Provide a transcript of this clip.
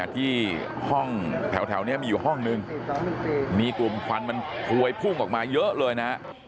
ที่ห้องแถวนี้มีอยู่ห้องนึงมีกลุ่มควันมันพวยพุ่งออกมาเยอะเลยนะ